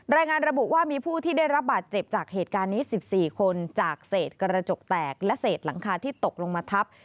รายงานระบุว่ามีผู้ที่ได้รับบาดเจ็บจากเหตุการณ์นี้๑๔คนจากเศษกระจกแตกและเศษหลังคาที่ตกลงมาทับ